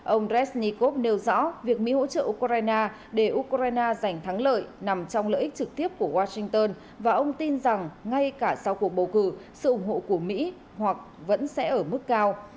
ông resnikov nêu rõ việc mỹ hỗ trợ ukraine để ukraine giành thắng lợi nằm trong lợi ích trực tiếp của washington và ông tin rằng ngay cả sau cuộc bầu cử sự ủng hộ của mỹ hoặc vẫn sẽ ở mức cao